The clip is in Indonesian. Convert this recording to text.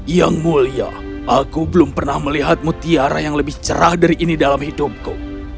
yang mulia aku belum pernah melihat mutiara yang lebih cerah dari ini dalam hidupku